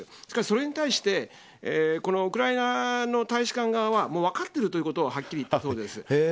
しかしそれに対してウクライナの大使館側は分かっているということをはっきり言ったそうです。